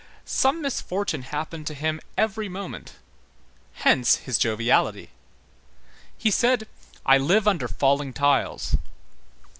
Some misfortune happened to him every moment, hence his joviality. He said: "I live under falling tiles."